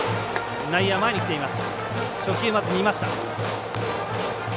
内野も前に来ています。